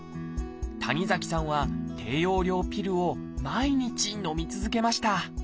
谷崎さんは低用量ピルを毎日のみ続けました。